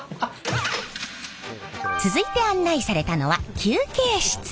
続いて案内されたのは休憩室。